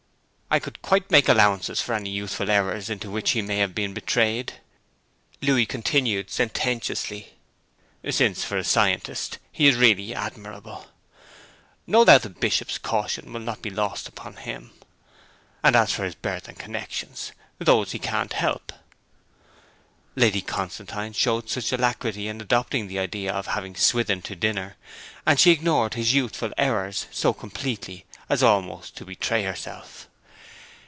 'I could quite make allowances for any youthful errors into which he may have been betrayed,' Louis continued sententiously, 'since, for a scientist, he is really admirable. No doubt the Bishop's caution will not be lost upon him; and as for his birth and connexions, those he can't help.' Lady Constantine showed such alacrity in adopting the idea of having Swithin to dinner, and she ignored his 'youthful errors' so completely, as almost to betray herself.